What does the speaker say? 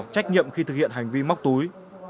trách nhiệm khi thực hiện hành vi móc túi